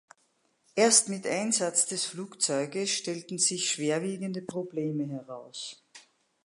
Erst mit Einsatz des Flugzeuges stellten sich schwerwiegende Probleme heraus.